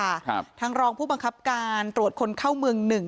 ครับทางรองผู้บังคับการตรวจคนเข้าเมืองหนึ่ง